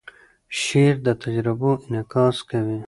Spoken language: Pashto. شعر د تجربو انعکاس کوي.